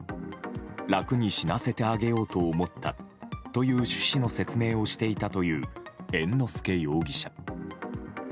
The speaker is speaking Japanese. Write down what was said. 楽に死なせてあげようと思ったという趣旨の説明をしていたという猿之助容疑者。